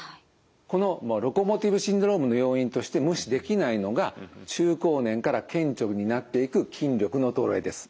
このロコモティブシンドロームの要因として無視できないのが中高年から顕著になっていく筋力の衰えです。